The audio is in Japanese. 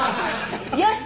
よし！